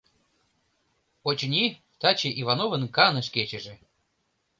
— Очыни, таче Ивановын каныш кечыже».